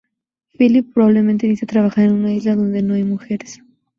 Philip probablemente necesite trabajar en una isla donde no hay mujeres.